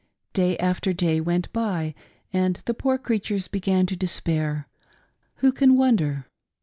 Day after day went by, and the poor creatures began to despair — who can wonder?